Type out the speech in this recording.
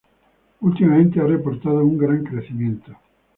Últimamente ha reportado un gran crecimiento.